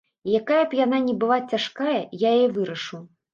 І якая б яна ні была цяжкая, я яе вырашу.